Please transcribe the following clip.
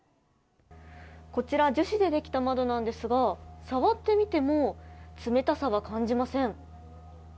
こちら、樹脂でできた窓なんですが触ってみても冷たさは感じません。